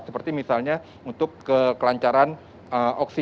seperti misalnya untuk kekelancaran oksigen yang berada di kapal